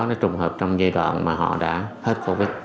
nó trùng hợp trong giai đoạn mà họ đã hết covid